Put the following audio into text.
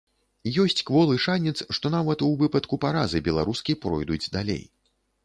Ёсць кволы шанец, што нават у выпадку паразы беларускі пройдуць далей.